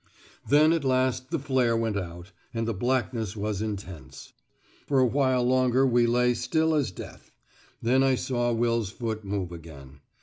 Then at last the flare went out, and the blackness was intense. For a while longer we lay still as death; then I saw Will's foot move again.